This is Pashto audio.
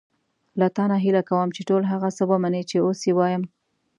له تا نه هیله کوم چې ټول هغه څه ومنې چې اوس یې وایم.